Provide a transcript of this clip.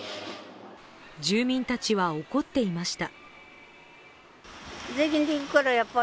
住民たちは、怒っていました。